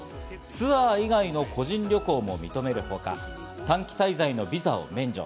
ツアー以外の個人旅行も認めるほか、短期滞在のビザを免除。